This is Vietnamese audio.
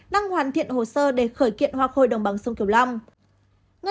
đang hoàn thiện hồ sơ để khởi kiện hoa khôi đồng bằng sông kiều long